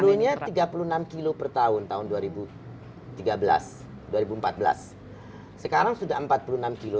dulunya tiga puluh enam kilo per tahun tahun dua ribu tiga belas dua ribu empat belas sekarang sudah empat puluh enam kg